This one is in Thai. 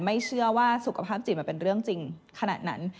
ไม่เชื่อว่าสุขภาพจิตมันเป็นเรื่องจริงขนาดนั้น